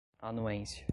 anuência